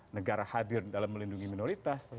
negara hadir dalam melindungi minoritas